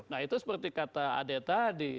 nah itu seperti kata ade tadi